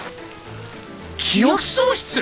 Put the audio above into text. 記憶喪失！？